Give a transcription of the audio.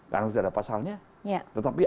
karena sudah ada pasalnya tetapi